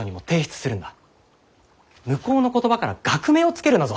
向こうの言葉から学名を付けるなぞ。